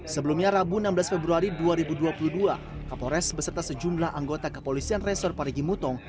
sebelumnya rabu enam belas februari dua ribu dua puluh dua kapolres beserta sejumlah anggota kepolisian resor parigi mutong